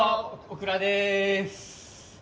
オクラでーす。